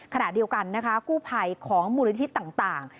ขณะเดียวกันกู้ภัยของมูลวิทธิศต่าง